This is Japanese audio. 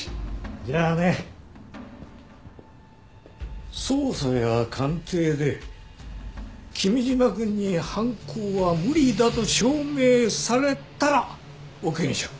じゃあね捜査や鑑定で君嶋くんに犯行は無理だと証明されたらオーケーにしよう。